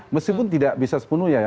meskipun tidak bisa sepenuhnya